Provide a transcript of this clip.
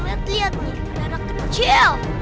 lihat lihat nih ada anak kecil